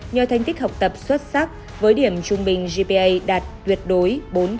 nhờ thành tích học tập xuất sắc với điểm trung bình gpa đạt tuyệt đối bốn